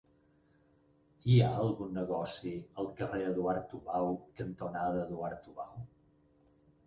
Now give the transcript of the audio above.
Hi ha algun negoci al carrer Eduard Tubau cantonada Eduard Tubau?